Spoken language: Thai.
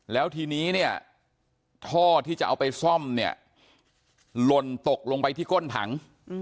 แล้วทีนี้เนี่ยท่อที่จะเอาไปซ่อมเนี่ยหล่นตกลงไปที่ก้นถัง